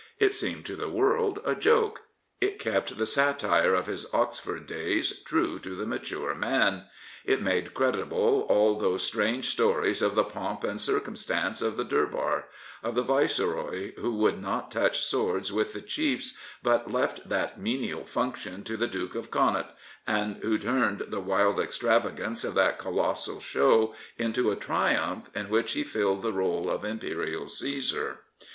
It seemed to the world a joke. It kept the satire of his Oxford days true to the mature man. It made credible all those strange stories of the pomp and cir cumstance of the Durbar — of the Viceroy who would not touch swords with the chiefs, but left that menial function to the Duke of Connaught, and who turned the wild extravagance of that colossal show into a triumph in which he filled the r61e of Imperial Caesar.